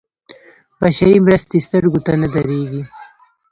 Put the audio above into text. بشري مرستې سترګو ته نه درېږي.